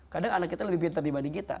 kadang anak kita lebih pintar dibanding kita